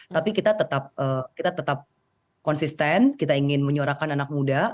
tapi kita tetap konsisten kita ingin menyuarakan anak muda